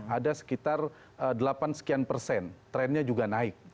ada sekitar delapan sekian persen trennya juga naik